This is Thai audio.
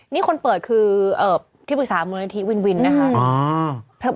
นี่คนเปิดคือที่ปรึกษามูลนิธิวินวินนะคะ